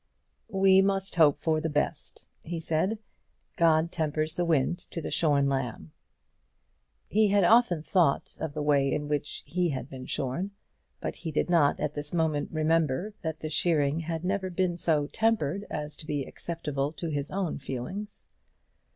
"We must hope for the best," he said. "God tempers the wind to the shorn lamb." He had often thought of the way in which he had been shorn, but he did not, at this moment, remember that the shearing had never been so tempered as to be acceptable to his own feelings.